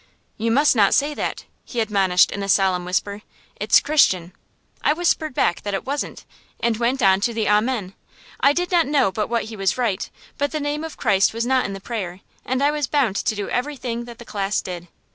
"You must not say that," he admonished in a solemn whisper; "it's Christian." I whispered back that it wasn't, and went on to the "Amen." I did not know but what he was right, but the name of Christ was not in the prayer, and I was bound to do everything that the class did.